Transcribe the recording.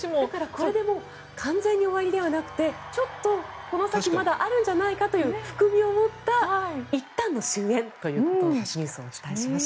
これで完全に終わりではなくてちょっとこの先まだあるんじゃないかという含みを持ったいったんの終演というニュースをお伝えしました。